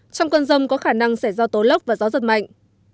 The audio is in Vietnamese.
trong cơn rông có khả năng sẽ do tố lốc và gió giật mạnh